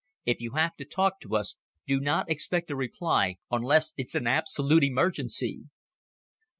If you have to talk to us, do not expect a reply unless it's an absolute emergency."